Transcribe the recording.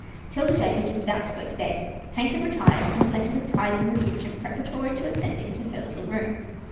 'Tilda Jane was just about to go to bed. Hank had retired, and Perletta was tidying the kitchen, pre paratory to ascending to her little room.